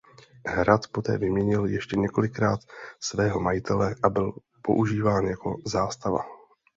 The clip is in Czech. Hrad poté vyměnil ještě několikrát svého majitele a byl používán jako zástava.